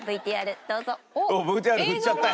ＶＴＲ振っちゃった。